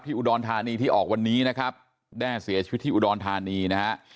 อุดรธานีที่ออกวันนี้นะครับแด้เสียชีวิตที่อุดรธานีนะฮะ